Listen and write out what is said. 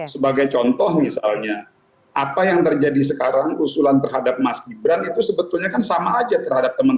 sebagai contoh misalnya apa yang terjadi sekarang usulan terhadap mas gibran itu sebetulnya kan sama aja terhadap teman teman